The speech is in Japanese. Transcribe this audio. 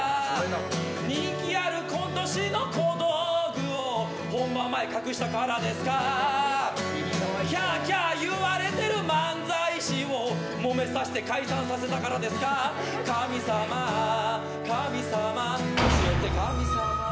人気あるコント師の小道具を本番前、隠したからですかキャーキャー言われてる漫才師をもめさせて解散させたからですか神様神様教えて神様。